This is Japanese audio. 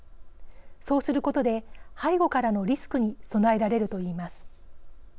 そうすることで背後からのリスクに備えられるといいます。